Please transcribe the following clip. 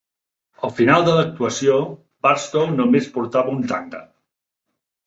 Al final de l'actuació, Barstow només portava un tanga.